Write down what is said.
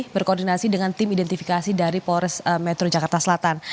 berkoordinasi dengan tim identifikasi dari polres metro jakarta selatan